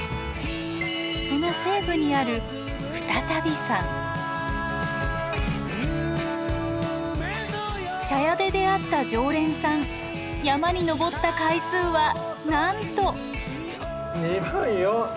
その西部にある茶屋で出会った常連さん山に登った回数はなんと！